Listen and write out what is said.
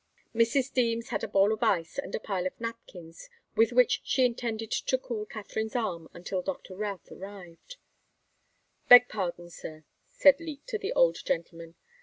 Mrs. Deems had a bowl of ice and a pile of napkins, with which she intended to cool Katharine's arm until Dr. Routh arrived. "Beg pardon, sir," said Leek to the old gentleman.